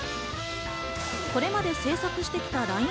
これまで制作してきたＬＩＮＥ